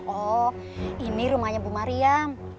oh ini rumahnya bu maria